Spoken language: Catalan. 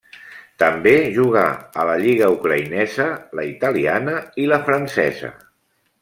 També jugà a la lliga ucraïnesa, la italiana i la francesa.